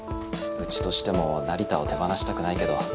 うちとしても成田を手放したくないけど。